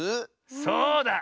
そうだ！